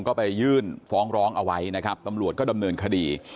ก็ไปยื่นฟ้องร้องเอาไว้นะครับตำรวจก็ดำเนินคดี